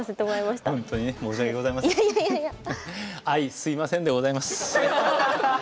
あいすいませんでございます。